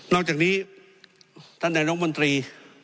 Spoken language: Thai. นอกจากนี้ท่านแดงนกมนตรี